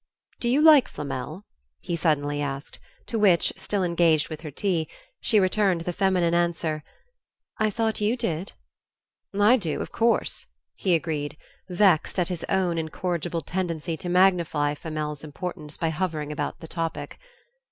"Do you like Flamel?" he suddenly asked; to which, still engaged with her tea, she returned the feminine answer "I thought you did." "I do, of course," he agreed, vexed at his own incorrigible tendency to magnify Flamel's importance by hovering about the topic.